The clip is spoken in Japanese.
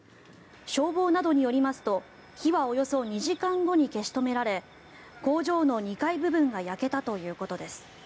消防などによりますと火はおよそ２時間後に消し止められ工場の２階部分が焼けたということです。